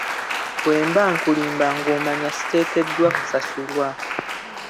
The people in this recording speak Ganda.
Bwe mba nkulimba ng'omanya siteekeddwa kusasulwa.